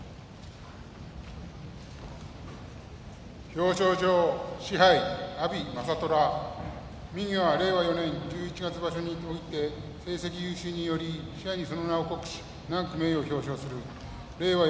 表彰状賜盃阿炎政虎右は令和４年十一月場所において成績優秀により賜盃に、その名を刻し永く名誉を表彰する令和